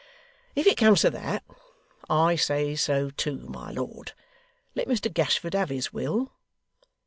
'If it comes to that, I say so too, my lord. Let Mr Gashford have his will.